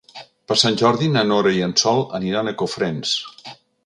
Per Sant Jordi na Nora i en Sol aniran a Cofrents.